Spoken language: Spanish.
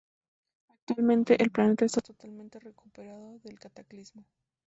Actualmente, el planeta está totalmente recuperado del cataclismo.